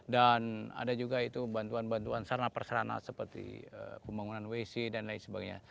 dan ada juga itu bantuan bantuan sana perserana seperti pembangunan wc dan lain sebagainya